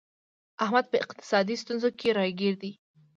احمد په اقتصادي ستونزو کې راگیر دی